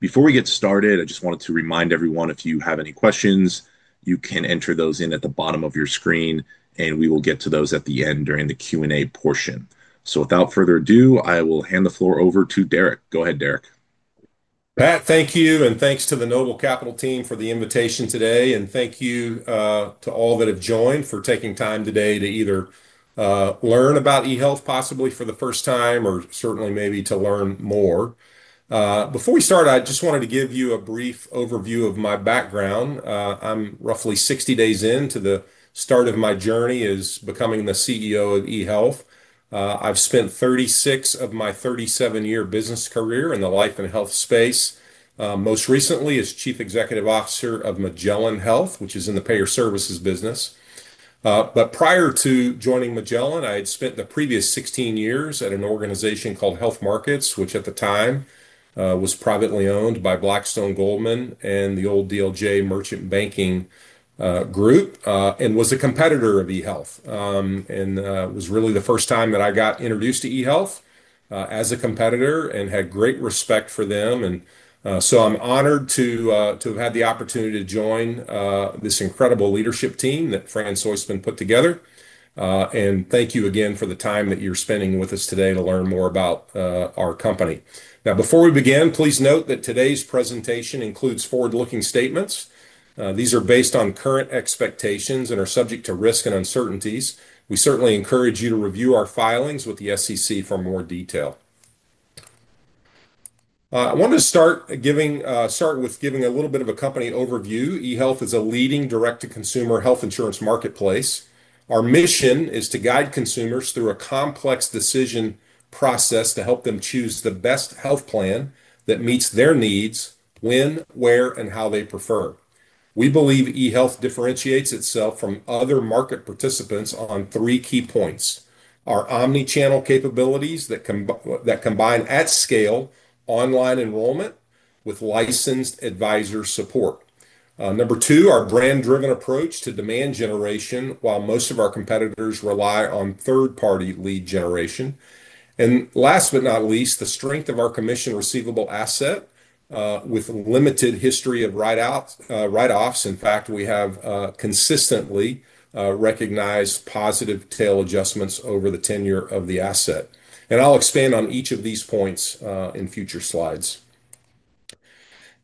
Before we get started, I just wanted to remind everyone, if you have any questions, you can enter those in at the bottom of your screen, and we will get to those at the end during the Q&A portion. Without further ado, I will hand the floor over to Derrick. Go ahead, Derrick. Pat, thank you, and thanks to the Noble Capital team for the invitation today, and thank you to all that have joined for taking time today to either learn about eHealth possibly for the first time or certainly maybe to learn more. Before we start, I just wanted to give you a brief overview of my background. I'm roughly 60 days into the start of my journey as becoming the CEO of eHealth. I've spent 36 of my 37-year business career in the life and health space, most recently as Chief Executive Officer of Magellan Health, which is in the payer services business. Prior to joining Magellan, I had spent the previous 16 years at an organization called HealthMarkets, which at the time was privately owned by Blackstone, Goldman, and the old DLJ Merchant Banking group, and was a competitor of eHealth. It was really the first time that I got introduced to eHealth as a competitor and had great respect for them. I'm honored to have had the opportunity to join this incredible leadership team that Fran Soistman put together. Thank you again for the time that you're spending with us today to learn more about our company. Now, before we begin, please note that today's presentation includes forward-looking statements. These are based on current expectations and are subject to risk and uncertainties. We certainly encourage you to review our filings with the SEC for more detail. I want to start with giving a little bit of a company overview. eHealth is a leading direct-to-consumer health insurance marketplace. Our mission is to guide consumers through a complex decision process to help them choose the best health plan that meets their needs, when, where, and how they prefer. We believe eHealth differentiates itself from other market participants on three key points: our omni-channel capabilities that combine at scale online enrollment with licensed advisor support, number two, our brand-driven approach to demand generation while most of our competitors rely on third-party lead generation, and last but not least, the strength of our commission receivable asset with a limited history of write-offs. In fact, we have consistently recognized positive tail adjustments over the tenure of the asset. I'll expand on each of these points in future slides.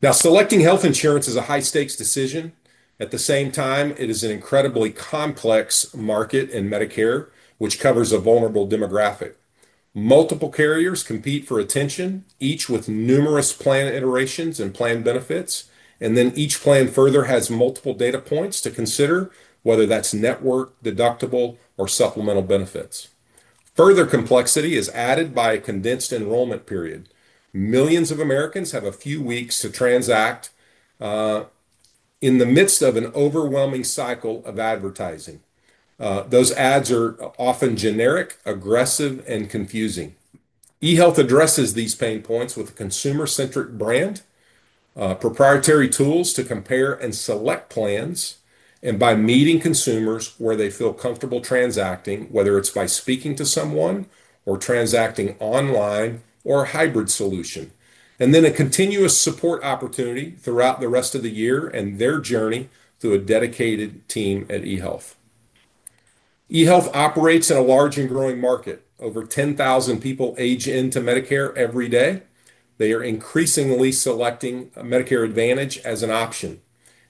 Now, selecting health insurance is a high-stakes decision. At the same time, it is an incredibly complex market in Medicare, which covers a vulnerable demographic. Multiple carriers compete for attention, each with numerous plan iterations and plan benefits, and then each plan further has multiple data points to consider, whether that's network, deductible, or supplemental benefits. Further complexity is added by a condensed enrollment period. Millions of Americans have a few weeks to transact, in the midst of an overwhelming cycle of advertising. Those ads are often generic, aggressive, and confusing. eHealth addresses these pain points with a consumer-centric brand, proprietary tools to compare and select plans, and by meeting consumers where they feel comfortable transacting, whether it's by speaking to someone or transacting online or a hybrid solution. There is a continuous support opportunity throughout the rest of the year and their journey through a dedicated team at eHealth. eHealth operates in a large and growing market. Over 10,000 people age into Medicare every day. They are increasingly selecting Medicare Advantage as an option.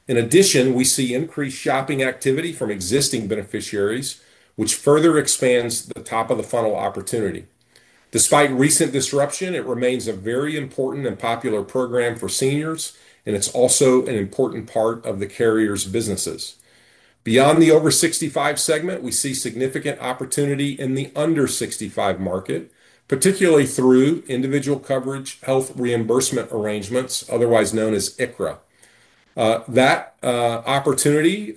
In addition, we see increased shopping activity from existing beneficiaries, which further expands the top-of-the-funnel opportunity. Despite recent disruption, it remains a very important and popular program for seniors, and it's also an important part of the carrier's businesses. Beyond the over 65 segment, we see significant opportunity in the under 65 market, particularly through Individual Coverage Health Reimbursement Arrangements, otherwise known as ICHRA. That opportunity,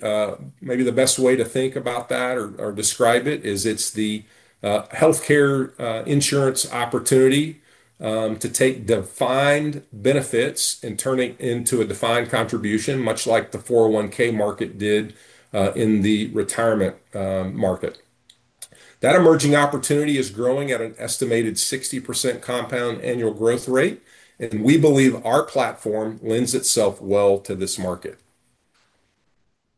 maybe the best way to think about that or describe it is it's the healthcare insurance opportunity to take defined benefits and turn it into a defined contribution, much like the 401(k) market did in the retirement market. That emerging opportunity is growing at an estimated 60% compound annual growth rate, and we believe our platform lends itself well to this market.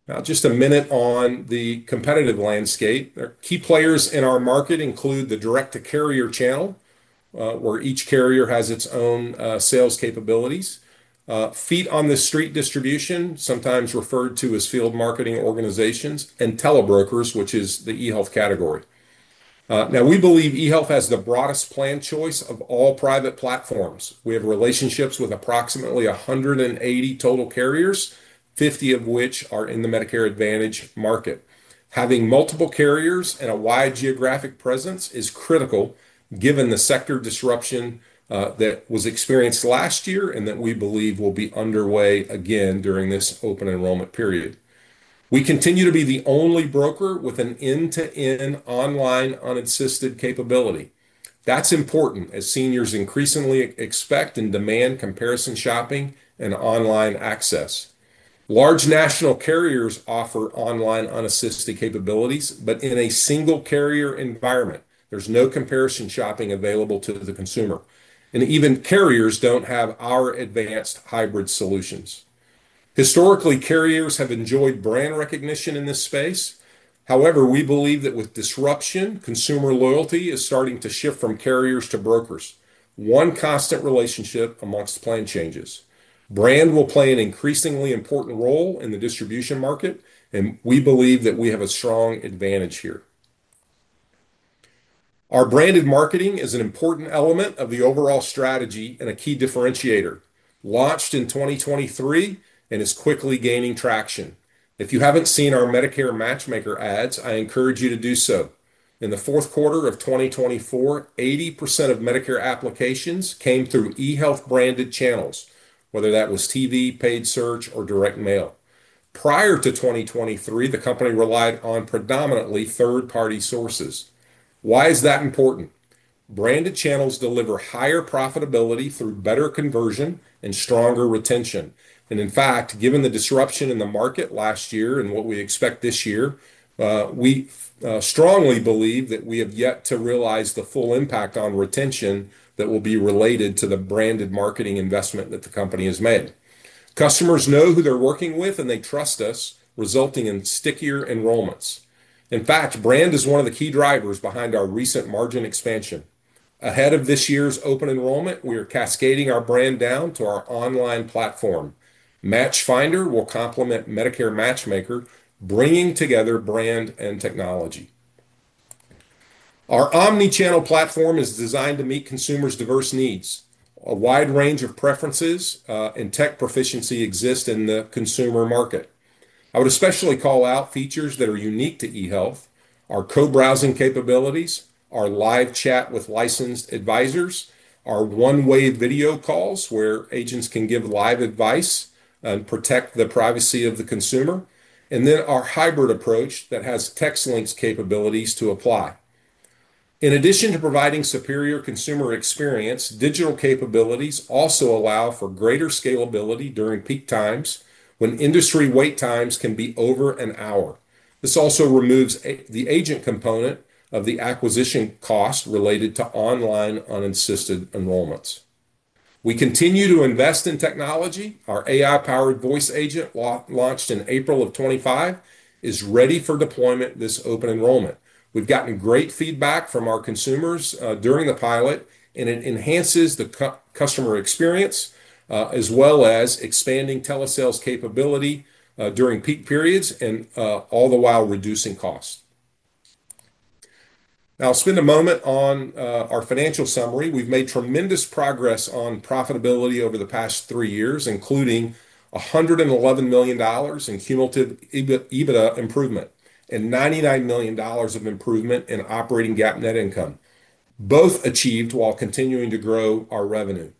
Now, just a minute on the competitive landscape. Key players in our market include the direct-to-carrier channel, where each carrier has its own sales capabilities, feet on the street distribution, sometimes referred to as field marketing organizations, and telebrokers, which is the eHealth category. We believe eHealth has the broadest plan choice of all private platforms. We have relationships with approximately 180 total carriers, 50 of which are in the Medicare Advantage market. Having multiple carriers and a wide geographic presence is critical, given the sector disruption that was experienced last year and that we believe will be underway again during this open enrollment period. We continue to be the only broker with an end-to-end online unassisted capability. That's important as seniors increasingly expect and demand comparison shopping and online access. Large national carriers offer online unassisted capabilities, but in a single carrier environment, there's no comparison shopping available to the consumer. Even carriers don't have our advanced hybrid solutions. Historically, carriers have enjoyed brand recognition in this space. However, we believe that with disruption, consumer loyalty is starting to shift from carriers to brokers. One constant relationship amongst plan changes. Brand will play an increasingly important role in the distribution market, and we believe that we have a strong advantage here. Our branded marketing is an important element of the overall strategy and a key differentiator. Launched in 2023, it is quickly gaining traction. If you haven't seen our Medicare Matchmaker ads, I encourage you to do so. In the fourth quarter of 2024, 80% of Medicare applications came through eHealth branded channels, whether that was TV, paid search, or direct mail. Prior to 2023, the company relied on predominantly third-party sources. Why is that important? Branded channels deliver higher profitability through better conversion and stronger retention. In fact, given the disruption in the market last year and what we expect this year, we strongly believe that we have yet to realize the full impact on retention that will be related to the branded marketing investment that the company has made. Customers know who they're working with and they trust us, resulting in stickier enrollments. In fact, brand is one of the key drivers behind our recent margin expansion. Ahead of this year's open enrollment, we are cascading our brand down to our online platform. Match Finder will complement Medicare Matchmaker, bringing together brand and technology. Our omni-channel platform is designed to meet consumers' diverse needs. A wide range of preferences and tech proficiency exists in the consumer market. I would especially call out features that are unique to eHealth: our co-browsing capabilities, our live chat with licensed advisors, our one-way video calls where agents can give live advice and protect the privacy of the consumer, and then our hybrid approach that has text links capabilities to apply. In addition to providing superior consumer experience, digital capabilities also allow for greater scalability during peak times when industry wait times can be over an hour. This also removes the agent component of the acquisition cost related to online unassisted enrollments. We continue to invest in technology. Our AI-powered voice agent, launched in April of 2025, is ready for deployment this open enrollment. We've gotten great feedback from our consumers during the pilot, and it enhances the customer experience as well as expanding telesales capability during peak periods and all the while reducing costs. Now, I'll spend a moment on our financial summary. We've made tremendous progress on profitability over the past three years, including $111 million in cumulative EBITDA improvement and $99 million of improvement in operating GAAP net income, both achieved while continuing to grow our revenue.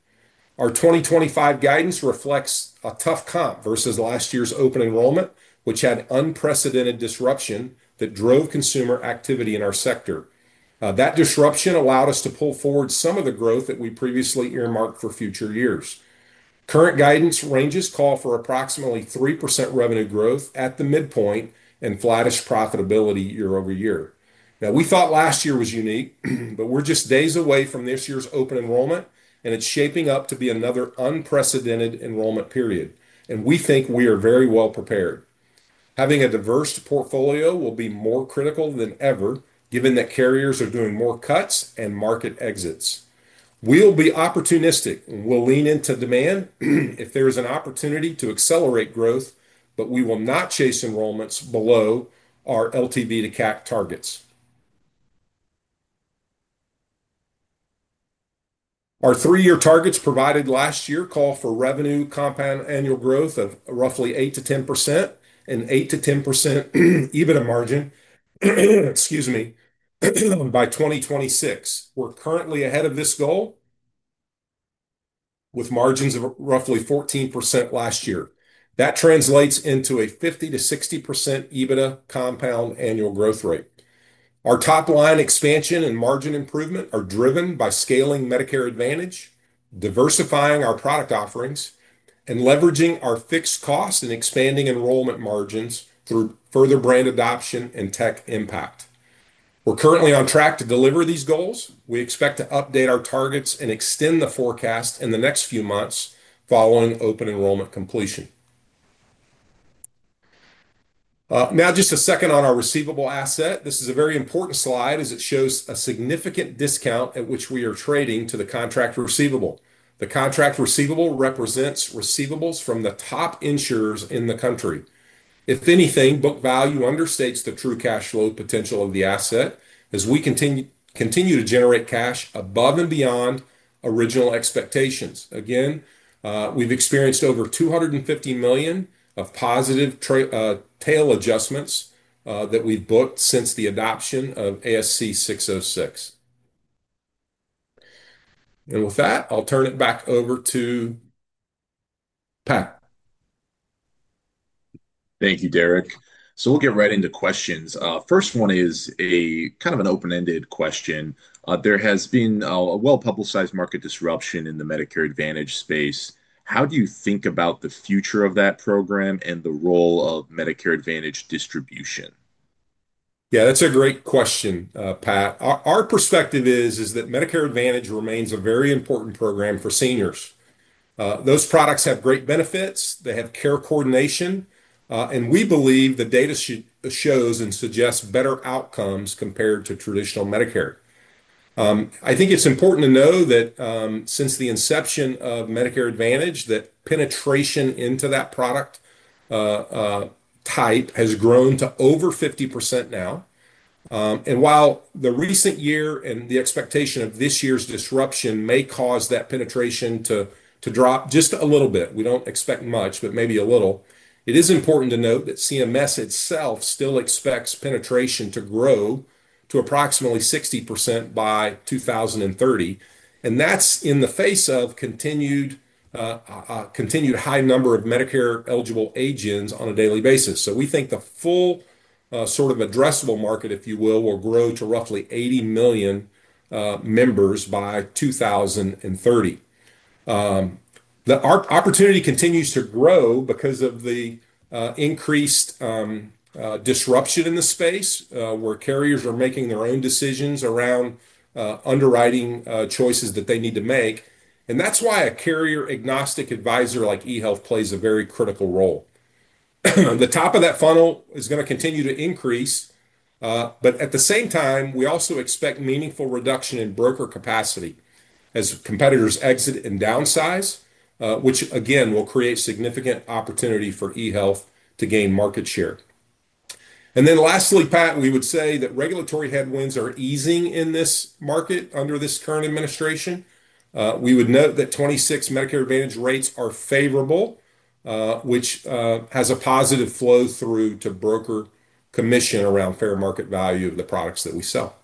Our 2025 guidance reflects a tough comp versus last year's open enrollment, which had unprecedented disruption that drove consumer activity in our sector. That disruption allowed us to pull forward some of the growth that we previously earmarked for future years. Current guidance ranges call for approximately 3% revenue growth at the midpoint and flattish profitability year-over-year. We thought last year was unique, but we're just days away from this year's open enrollment, and it's shaping up to be another unprecedented enrollment period. We think we are very well-prepared. Having a diverse portfolio will be more critical than ever, given that carriers are doing more cuts and market exits. We'll be opportunistic and we'll lean into demand if there is an opportunity to accelerate growth, but we will not chase enrollments below our LTV to CAC targets. Our three-year targets provided last year call for revenue compound annual growth of roughly 8%-10% and 8%-10% EBITDA margin. By 2026, we're currently ahead of this goal with margins of roughly 14% last year. That translates into a 50%-60% EBITDA compound annual growth rate. Our top-line expansion and margin improvement are driven by scaling Medicare Advantage, diversifying our product offerings, and leveraging our fixed costs and expanding enrollment margins through further brand adoption and tech impact. We're currently on track to deliver these goals. We expect to update our targets and extend the forecast in the next few months following open enrollment completion. Now, just a second on our receivable asset. This is a very important slide as it shows a significant discount at which we are trading to the contract receivable. The contract receivable represents receivables from the top insurers in the country. If anything, book value understates the true cash flow potential of the asset as we continue to generate cash above and beyond original expectations. We've experienced over $250 million of positive tail adjustments that we've booked since the adoption of ASC 606. With that, I'll turn it back over to Pat. Thank you, Derrick. We'll get right into questions. First one is kind of an open-ended question. There has been a well-publicized market disruption in the Medicare Advantage space. How do you think about the future of that program and the role of Medicare Advantage distribution? Yeah, that's a great question, Pat. Our perspective is that Medicare Advantage remains a very important program for seniors. Those products have great benefits. They have care coordination, and we believe the data shows and suggests better outcomes compared to traditional Medicare. I think it's important to know that since the inception of Medicare Advantage, that penetration into that product type has grown to over 50% now. While the recent year and the expectation of this year's disruption may cause that penetration to drop just a little bit, we don't expect much, but maybe a little, it is important to note that CMS itself still expects penetration to grow to approximately 60% by 2030. That's in the face of continued high number of Medicare eligible agents on a daily basis. We think the full sort of addressable market, if you will, will grow to roughly 80 million members by 2030. The opportunity continues to grow because of the increased disruption in the space, where carriers are making their own decisions around underwriting choices that they need to make. That's why a carrier-agnostic advisor like eHealth plays a very critical role. The top of that funnel is going to continue to increase, but at the same time, we also expect meaningful reduction in broker capacity as competitors exit and downsize, which again will create significant opportunity for eHealth to gain market share. Lastly, Pat, we would say that regulatory headwinds are easing in this market under this current administration. We would note that 2026 Medicare Advantage rates are favorable, which has a positive flow through to broker commission around fair market value of the products that we sell.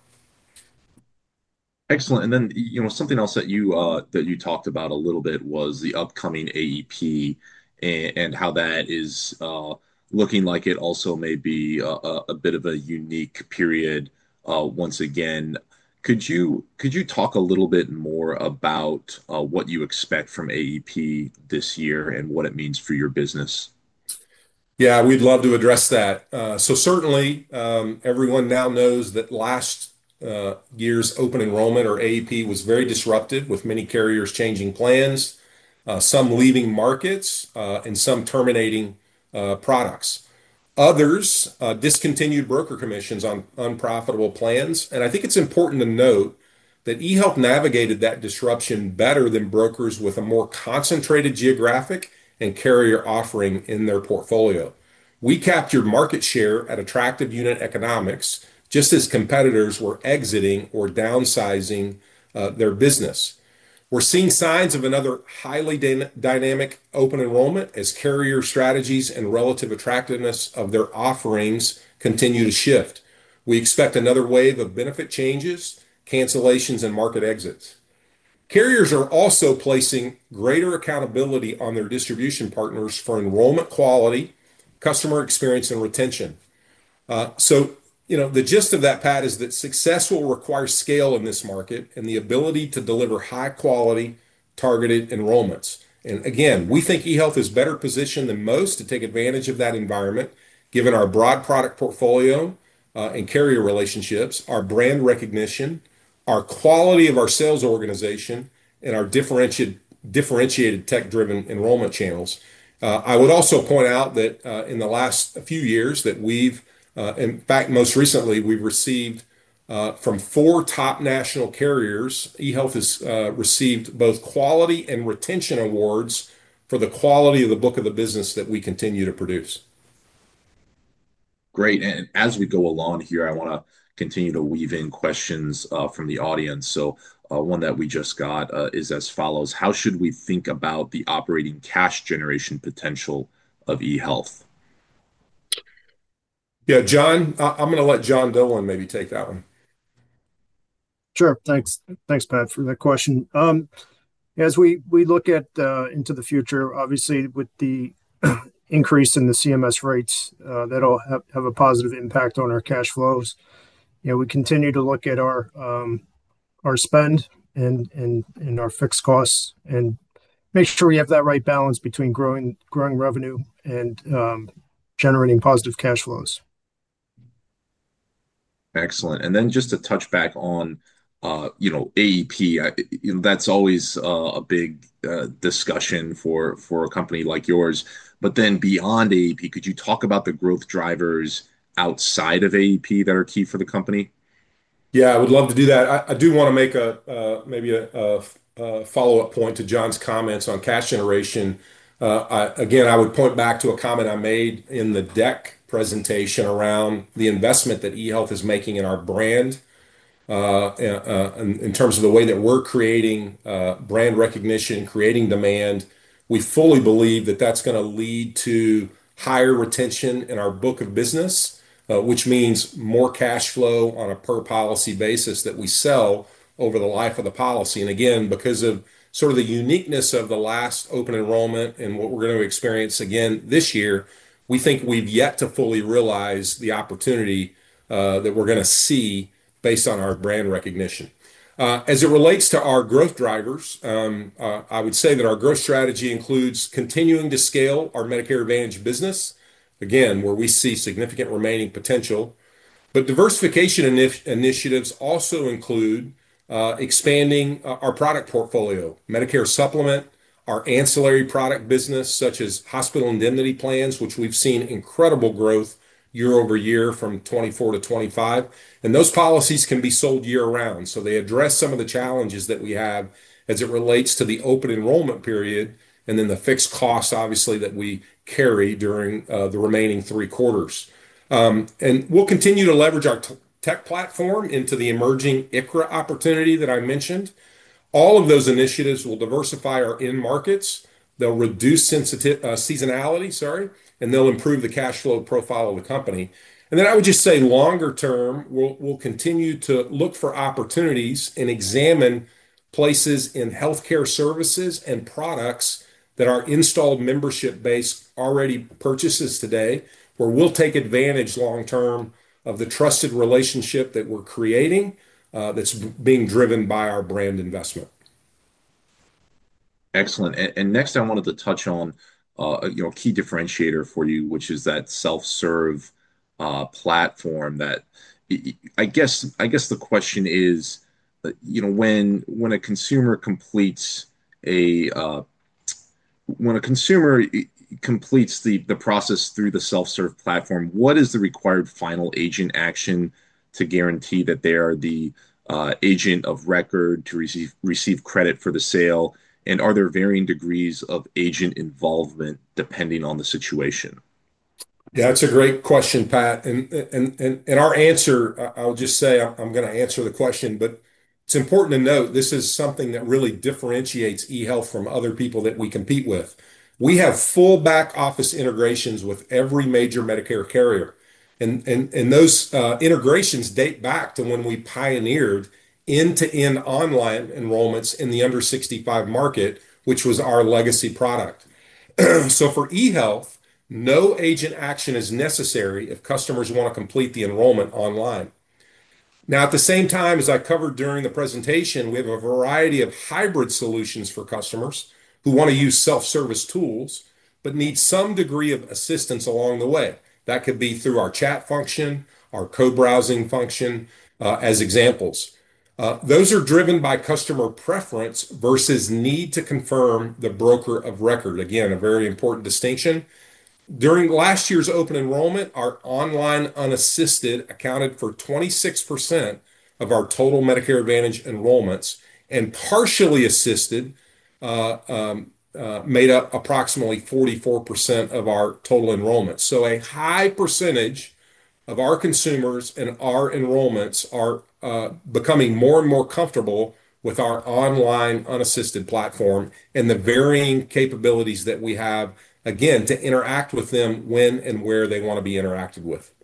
Excellent. Something else that you talked about a little bit was the upcoming AEP and how that is looking like it also may be a bit of a unique period once again. Could you talk a little bit more about what you expect from AEP this year and what it means for your business? Yeah, we'd love to address that. Certainly, everyone now knows that last year's open enrollment or AEP was very disruptive, with many carriers changing plans, some leaving markets, and some terminating products. Others discontinued broker commissions on unprofitable plans. I think it's important to note that eHealth navigated that disruption better than brokers with a more concentrated geographic and carrier offering in their portfolio. We captured market share at attractive unit economics just as competitors were exiting or downsizing their business. We're seeing signs of another highly dynamic open enrollment as carrier strategies and relative attractiveness of their offerings continue to shift. We expect another wave of benefit changes, cancellations, and market exits. Carriers are also placing greater accountability on their distribution partners for enrollment quality, customer experience, and retention. The gist of that, Pat, is that success will require scale in this market and the ability to deliver high-quality targeted enrollments. Again, we think eHealth is better positioned than most to take advantage of that environment, given our broad product portfolio and carrier relationships, our brand recognition, our quality of our sales organization, and our differentiated tech-driven enrollment channels. I would also point out that in the last few years, in fact, most recently, we've received from four top national carriers, eHealth has received both quality and retention awards for the quality of the book of the business that we continue to produce. Great. As we go along here, I want to continue to weave in questions from the audience. One that we just got is as follows: How should we think about the operating cash generation potential of eHealth? Yeah, John, I'm going to let John Dolan maybe take that one. Sure. Thanks, Pat, for that question. As we look into the future, obviously with the increase in the CMS rates, that'll have a positive impact on our cash flows. We continue to look at our spend and our fixed costs and make sure we have that right balance between growing revenue and generating positive cash flows. Excellent. Just to touch back on AEP, that's always a big discussion for a company like yours. Beyond AEP, could you talk about the growth drivers outside of AEP that are key for the company? Yeah, I would love to do that. I do want to make maybe a follow-up point to John's comments on cash generation. I would point back to a comment I made in the deck presentation around the investment that eHealth is making in our brand in terms of the way that we're creating brand recognition, creating demand. We fully believe that that's going to lead to higher retention in our book of business, which means more cash flow on a per policy basis that we sell over the life of the policy. Again, because of the uniqueness of the last open enrollment and what we're going to experience again this year, we think we've yet to fully realize the opportunity that we're going to see based on our brand recognition. As it relates to our growth drivers, I would say that our growth strategy includes continuing to scale our Medicare Advantage business, where we see significant remaining potential. Diversification initiatives also include expanding our product portfolio, Medicare Supplement, our ancillary product business, such as hospital indemnity plans, which we've seen incredible growth year-over-year from 2024-2025. Those policies can be sold year-round. They address some of the challenges that we have as it relates to the open enrollment period and the fixed costs, obviously, that we carry during the remaining three quarters. We'll continue to leverage our tech platform into the emerging ICHRA opportunity that I mentioned. All of those initiatives will diversify our in-markets, reduce seasonality, and improve the cash flow profile of the company. I would just say longer term, we'll continue to look for opportunities and examine places in healthcare services and products that our installed membership base already purchases today, where we'll take advantage long-term of the trusted relationship that we're creating that's being driven by our brand investment. Excellent. Next, I wanted to touch on a key differentiator for you, which is that self-serve platform. I guess the question is, you know, when a consumer completes the process through the self-serve platform, what is the required final agent action to guarantee that they are the agent of record to receive credit for the sale? Are there varying degrees of agent involvement depending on the situation? Yeah, that's a great question, Pat. In our answer, I'll just say I'm going to answer the question, but it's important to note this is something that really differentiates eHealth from other people that we compete with. We have full back-office integrations with every major Medicare carrier. Those integrations date back to when we pioneered end-to-end online enrollments in the under 65 market, which was our legacy product. For eHealth, no agent action is necessary if customers want to complete the enrollment online. At the same time, as I covered during the presentation, we have a variety of hybrid solutions for customers who want to use self-service tools but need some degree of assistance along the way. That could be through our chat function, our co-browsing function as examples. Those are driven by customer preference versus need to confirm the broker of record. Again, a very important distinction. During last year's open enrollment, our online unassisted accounted for 26% of our total Medicare Advantage enrollments and partially assisted made up approximately 44% of our total enrollments. A high percentage of our consumers and our enrollments are becoming more and more comfortable with our online unassisted platform and the varying capabilities that we have, again, to interact with them when and where they want to be interacted with.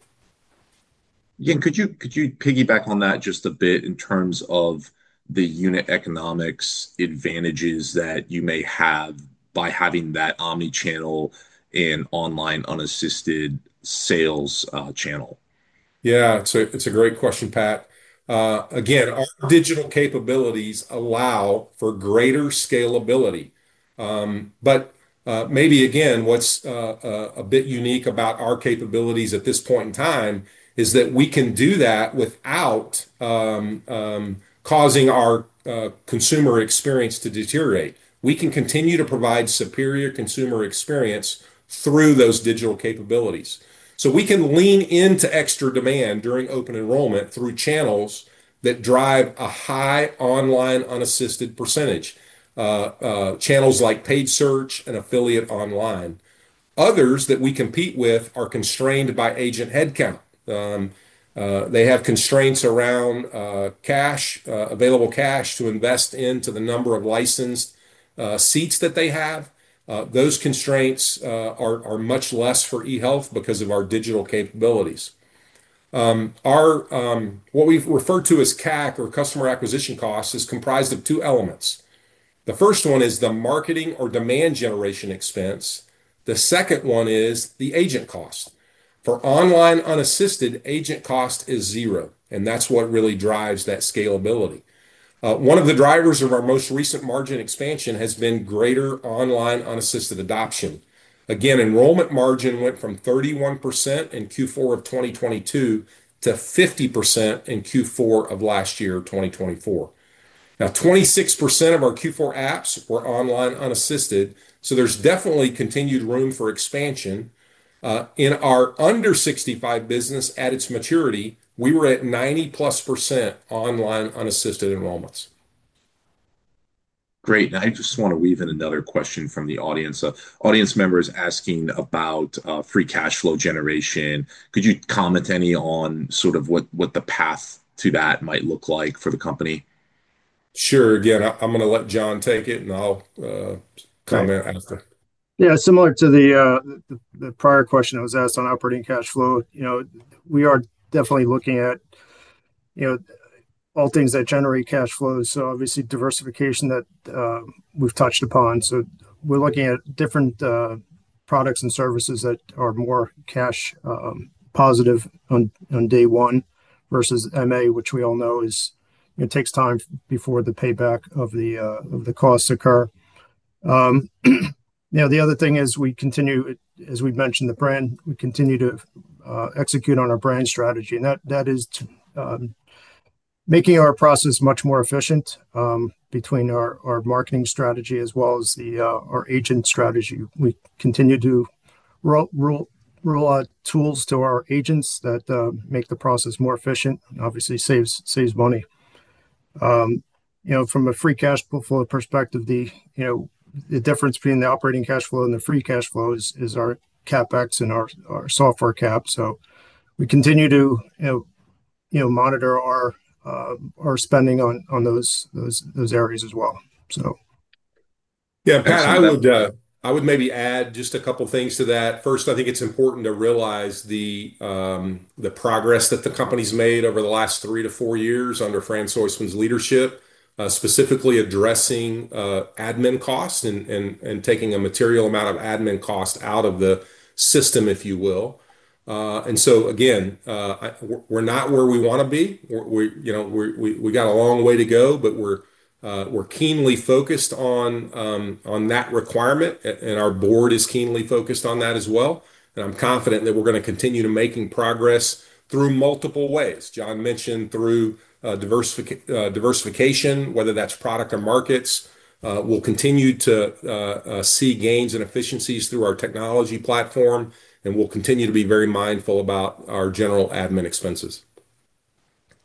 Again, could you piggyback on that just a bit in terms of the unit economics advantages that you may have by having that omni-channel and online unassisted sales channel? Yeah, it's a great question, Pat. Again, our digital capabilities allow for greater scalability. Maybe, again, what's a bit unique about our capabilities at this point in time is that we can do that without causing our consumer experience to deteriorate. We can continue to provide superior consumer experience through those digital capabilities. We can lean into extra demand during open enrollment through channels that drive a high online unassisted percentage—channels like paid search and affiliate online. Others that we compete with are constrained by agent headcount. They have constraints around available cash to invest into the number of licensed seats that they have. Those constraints are much less for eHealth because of our digital capabilities. What we've referred to as CAC or customer acquisition cost is comprised of two elements. The first one is the marketing or demand generation expense. The second one is the agent cost. For online unassisted, agent cost is zero, and that's what really drives that scalability. One of the drivers of our most recent margin expansion has been greater online unassisted adoption. Enrollment margin went from 31% in Q4 of 2022 to 50% in Q4 of last year, 2024. Now, 26% of our Q4 apps were online unassisted, so there's definitely continued room for expansion. In our under 65 business at its maturity, we were at 90%+ online unassisted enrollments. Great. I just want to weave in another question from the audience. Audience members are asking about free cash flow generation. Could you comment any on sort of what the path to that might look like for the company? Sure. Again, I'm going to let John take it, and I'll comment after. Yeah, similar to the prior question that was asked on operating cash flow, we are definitely looking at all things that generate cash flow. Obviously, diversification that we've touched upon. We're looking at different products and services that are more cash positive on day one versus MA, which we all know takes time before the payback of the costs occur. The other thing is we continue, as we mentioned, the brand, we continue to execute on our brand strategy. That is making our process much more efficient between our marketing strategy as well as our agent strategy. We continue to roll out tools to our agents that make the process more efficient and obviously saves money. From a free cash flow perspective, the difference between the operating cash flow and the free cash flow is our CapEx and our software cap. We continue to monitor our spending on those areas as well. Yeah, Pat, I would maybe add just a couple of things to that. First, I think it's important to realize the progress that the company's made over the last three to four years under Fran Soistman's leadership, specifically addressing admin cost and taking a material amount of admin cost out of the system, if you will. We're not where we want to be. We got a long way to go, but we're keenly focused on that requirement, and our Board is keenly focused on that as well. I'm confident that we're going to continue to make progress through multiple ways. John mentioned through diversification, whether that's product or markets. We'll continue to see gains and efficiencies through our technology platform, and we'll continue to be very mindful about our general admin expenses.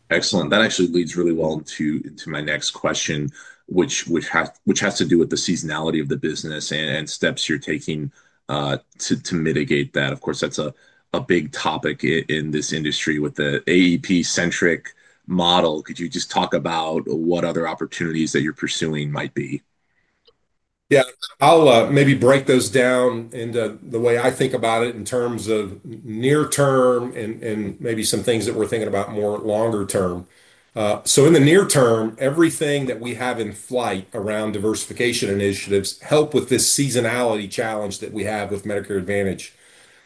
Excellent. That actually leads really well into my next question, which has to do with the seasonality of the business and steps you're taking to mitigate that. Of course, that's a big topic in this industry with the AEP-centric model. Could you just talk about what other opportunities that you're pursuing might be? I'll maybe break those down into the way I think about it in terms of near term and maybe some things that we're thinking about more longer term. In the near term, everything that we have in flight around diversification initiatives helps with this seasonality challenge that we have with Medicare Advantage.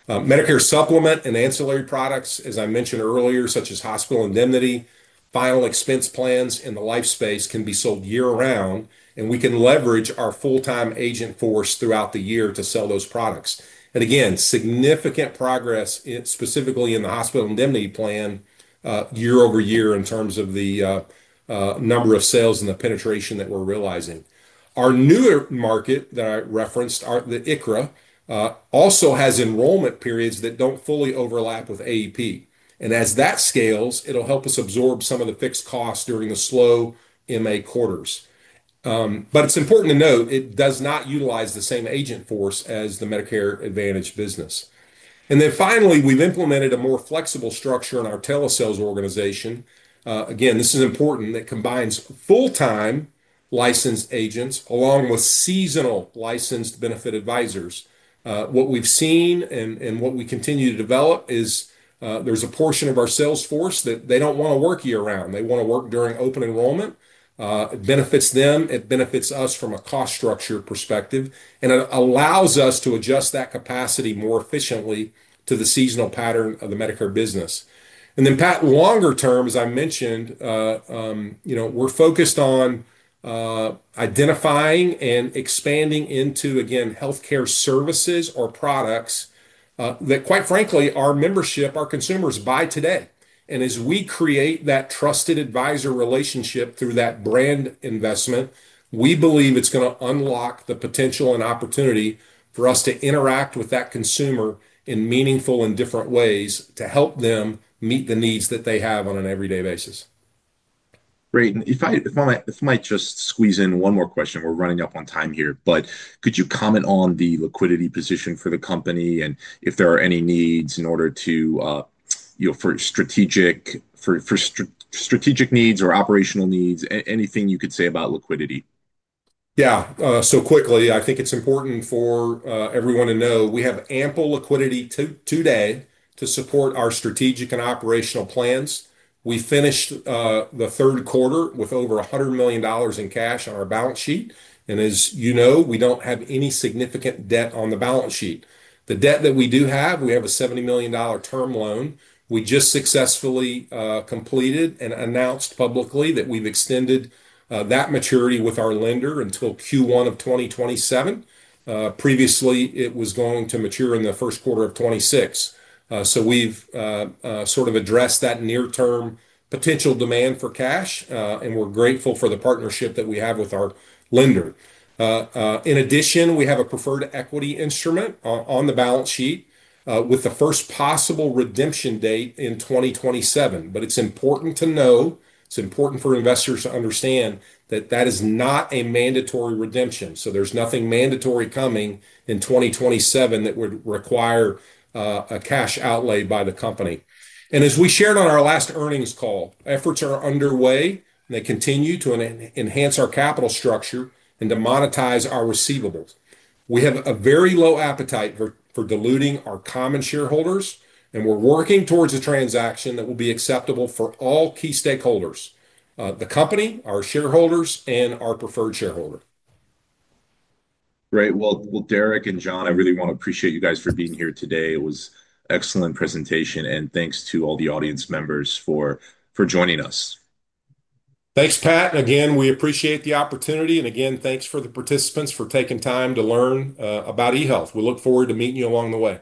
Medicare Supplement and ancillary products, as I mentioned earlier, such as hospital indemnity, final expense plans, and the life space can be sold year-round, and we can leverage our full-time agent force throughout the year to sell those products. Again, significant progress specifically in the hospital indemnity plan year-over-year in terms of the number of sales and the penetration that we're realizing. Our newer market that I referenced, the ICHRA, also has enrollment periods that don't fully overlap with AEP. As that scales, it'll help us absorb some of the fixed costs during the slow MA quarters. It's important to note it does not utilize the same agent force as the Medicare Advantage business. Finally, we've implemented a more flexible structure in our telesales organization. This is important that it combines full-time licensed agents along with seasonal licensed benefit advisors. What we've seen and what we continue to develop is there's a portion of our sales force that they don't want to work year-round. They want to work during open enrollment. It benefits them. It benefits us from a cost structure perspective, and it allows us to adjust that capacity more efficiently to the seasonal pattern of the Medicare business. Pat, longer term, as I mentioned, we're focused on identifying and expanding into, again, healthcare services or products that, quite frankly, our membership, our consumers buy today. As we create that trusted advisor relationship through that brand investment, we believe it's going to unlock the potential and opportunity for us to interact with that consumer in meaningful and different ways to help them meet the needs that they have on an everyday basis. Great. If I might just squeeze in one more question, we're running up on time here, could you comment on the liquidity position for the company and if there are any needs in order to, you know, for strategic needs or operational needs, anything you could say about liquidity? Yeah, so quickly, I think it's important for everyone to know we have ample liquidity today to support our strategic and operational plans. We finished the third quarter with over $100 million in cash on our balance sheet. As you know, we don't have any significant debt on the balance sheet. The debt that we do have, we have a $70 million term loan. We just successfully completed and announced publicly that we've extended that maturity with our lender until Q1 of 2027. Previously, it was going to mature in the first quarter of 2026. We've sort of addressed that near-term potential demand for cash, and we're grateful for the partnership that we have with our lender. In addition, we have a preferred equity instrument on the balance sheet with the first possible redemption date in 2027. It's important to know, it's important for investors to understand that that is not a mandatory redemption. There's nothing mandatory coming in 2027 that would require a cash outlay by the company. As we shared on our last earnings call, efforts are underway, and they continue to enhance our capital structure and to monetize our receivables. We have a very low appetite for diluting our common shareholders, and we're working towards a transaction that will be acceptable for all key stakeholders: the company, our shareholders, and our preferred shareholder. Great. Derrick and John, I really want to appreciate you guys for being here today. It was an excellent presentation, and thanks to all the audience members for joining us. Thanks, Pat. Again, we appreciate the opportunity, and again, thanks to the participants for taking time to learn about eHealth. We look forward to meeting you along the way.